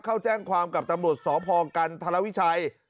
เข้าแจ้งความกับตำรวจสพกันธรวิชัย